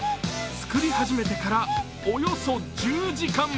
作り始めてからおよそ１０時間